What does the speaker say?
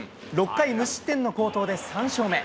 ６回無失点の好投で３勝目。